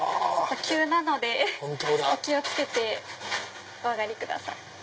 急なのでお気を付けてお上がりください。